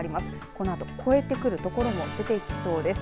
このあと超えてくる所も出てきそうです。